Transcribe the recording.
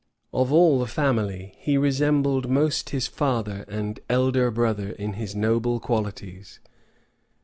Of all the family, he resembled most his father and elder brother in his noble qualities.